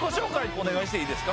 お願いしていいですか？